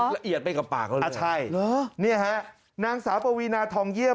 เหรอใช่เหรอเนี่ยเหรอนางสาวปวีนาทองเยี่ยม